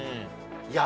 いや